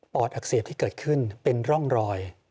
อดอักเสบที่เกิดขึ้นเป็นร่องรอย